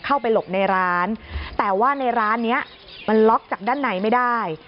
เข้าไปหลบในร้านแต่ว่าในร้านนี้มันล็อกจากด้านในไม่ได้